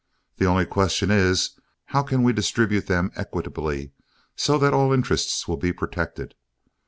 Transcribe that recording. The only question is, how can we distribute them equitably so that all interests will be protected.